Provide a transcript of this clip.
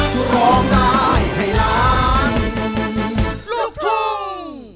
โปรดติดตามตอนต่อไป